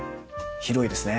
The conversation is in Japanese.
広いですね。